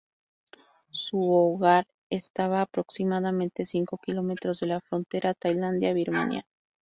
Su hogar estaba aproximadamente cinco kilómetros de la frontera Tailandia-Birmania.